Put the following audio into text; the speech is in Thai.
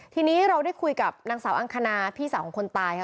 ทีนี้เราได้คุยกับนางสาวอังคณาพี่สาวของคนตายค่ะ